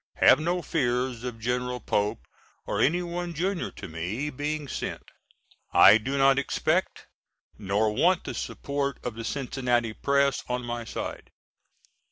Have no fears of General Pope or any one junior to me being sent. I do not expect nor want the support of the Cincinnati press on my side.